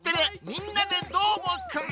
「みんなＤＥどーもくん！」。